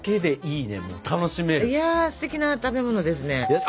いやすてきな食べ物ですね。